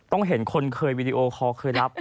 ต้องเห็นคนเคยวิดีโอคอเคยรับ